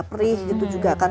perih gitu juga kan